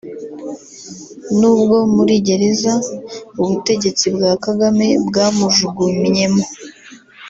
n’ubwo muri gereza ubutegetsi bwa Kagame bwamujugumyemo